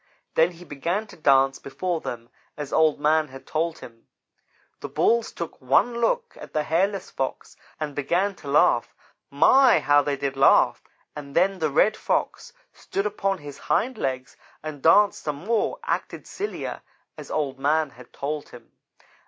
Then he began to dance before them as Old man had told him. The Bulls took one look at the hairless Fox and began to laugh. My! How they did laugh, and then the Red Fox stood upon his hind legs and danced some more; acted sillier, as Old man had told him.